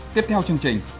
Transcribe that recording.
tiếp theo chương trình